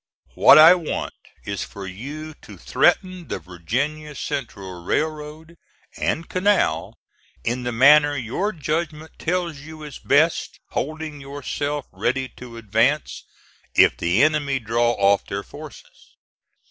What I want is for you to threaten the Virginia Central Railroad and canal in the manner your judgment tells you is best, holding yourself ready to advance, if the enemy draw off their forces.